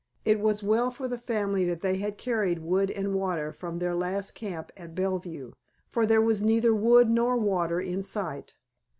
It was well for the family that they had carried wood and water from their last camp at Bellevue, for there was neither wood nor water in sight.